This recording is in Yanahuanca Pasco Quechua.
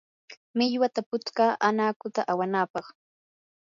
millwata putskaa anakuta awanapaq.